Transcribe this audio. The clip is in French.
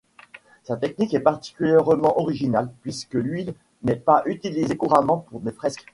Sa technique est particulièrement originale, puisque l'huile n'est pas utilisée couramment pour des fresques.